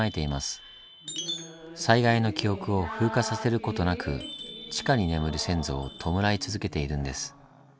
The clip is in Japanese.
災害の記憶を風化させることなく地下に眠る先祖を弔い続けているんです。